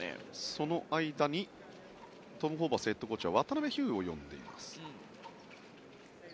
その間にトム・ホーバスヘッドコーチは渡邉飛勇を呼んでいます。